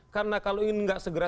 karena kalau ini enggak segera